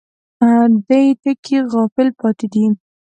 دې ټکي غافل پاتې دي.